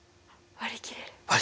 割り切れる！